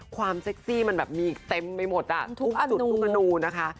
ความเซ็กซี่มันแบบมีเต็มไปหมดอ่ะทุกจุดทุกกระนูนะคะ